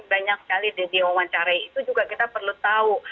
banyak sekali di wawancara itu juga kita perlu tahu